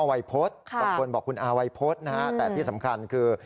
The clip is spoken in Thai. วัยพฤษบางคนบอกคุณอาวัยพฤษนะฮะแต่ที่สำคัญคือ